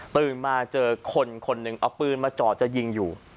มาเจอคนคนหนึ่งเอาปืนมาจ่อจะยิงอยู่